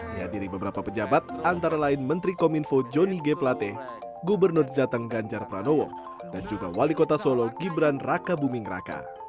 dihadiri beberapa pejabat antara lain menteri kominfo joni g plate gubernur jateng ganjar pranowo dan juga wali kota solo gibran raka buming raka